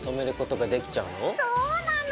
そうなの！